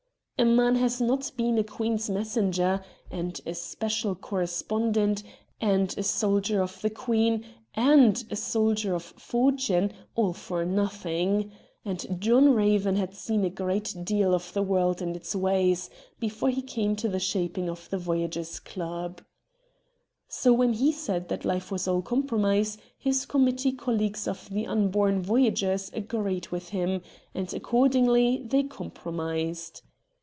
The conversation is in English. A man has not been a Queen's Messenger, and a special corre 8 RED DIAMONDS spondent, and a soldier of the Queen, and a soldier of fortune, all for nothing ; and John Kaven had seen a great deal of the world and its ways before he came to the shaping of the Voyagers' Club. So when he said that life was all compromise his committee col leagues of the unborn Voyagers agreed with him, and accordingly they compromised.